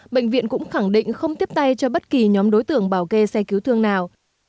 bệnh viện cũng khẳng định không tiếp tay cho bất kỳ nhóm đối tượng bảo kê xe cứu thương nào